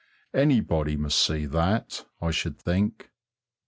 Anybody must see that, I should think.